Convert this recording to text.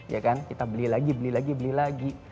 ya kan kita beli lagi beli lagi beli lagi